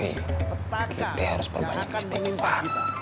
kita harus perbanyak istighfar